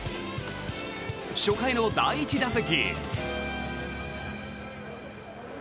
初回の第１打席。